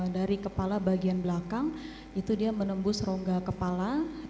dari kepala bagian belakang itu dia menembus rongga kepala